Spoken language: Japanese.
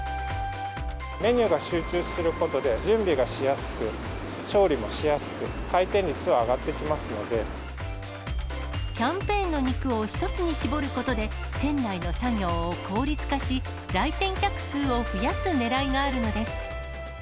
メニューが集中することで、準備がしやすく、調理もしやすく、キャンペーンの肉を１つに絞ることで、店内の作業を効率化し、来店客数を増やすねらいがあるのです。